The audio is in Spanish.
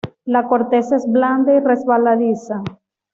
La corteza es blanda y resbaladiza.